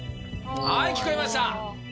はい聞こえました。